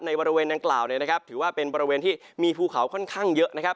บริเวณดังกล่าวเนี่ยนะครับถือว่าเป็นบริเวณที่มีภูเขาค่อนข้างเยอะนะครับ